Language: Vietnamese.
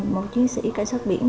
một chiến sĩ cải sát biển